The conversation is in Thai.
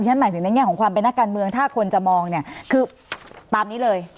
หมายถึงในแง่ของความเป็นนักการเมืองถ้าคนจะมองเนี่ยคือตามนี้เลย